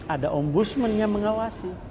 ada ombusmen yang mengawasi